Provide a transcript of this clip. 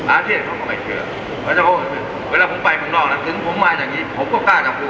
อาเซียนเขาก็ไม่เจอเวลาผมไปข้างนอกนะถึงผมมาอย่างนี้ผมก็กล้าจะพูด